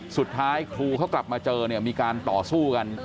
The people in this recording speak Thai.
สุดท้ายครูเขากลับมาเจอเนี่ยมีการต่อสู้กัน